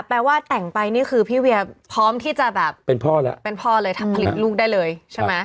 แปลว่าแต่งไปนี่คือพี่เวียพร้อมที่จะแบบเป็นพ่อแล้วเป็นพ่อเลยทำผลิตลูกได้เลยใช่ไหม